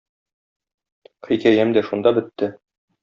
Хикәям дә шунда бетте.